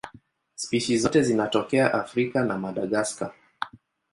Spishi zote zinatokea Afrika na Madagaska.